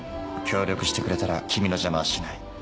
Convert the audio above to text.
協力してくれたら君の邪魔はしない。